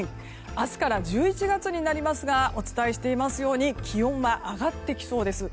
明日から１１月になりますがお伝えしていますように気温は上がってきそうです。